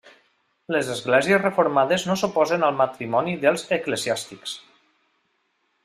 Les esglésies reformades no s'oposen al matrimoni dels eclesiàstics.